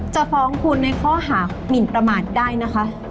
จะฟ้องคุณในข้อหามินประมาทได้นะคะ